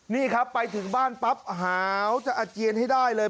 นี่ครับไปถึงบ้านปั๊บหาวจะอาเจียนให้ได้เลย